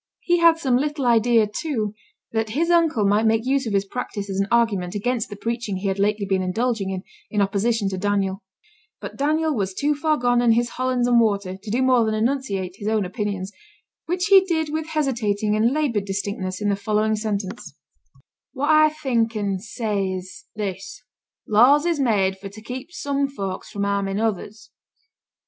He had some little idea, too, that his uncle might make use of his practice as an argument against the preaching he had lately been indulging in, in opposition to Daniel; but Daniel was too far gone in his Hollands and water to do more than enunciate his own opinions, which he did with hesitating and laboured distinctness in the following sentence: 'What I think and say is this. Laws is made for to keep some folks fra' harming others.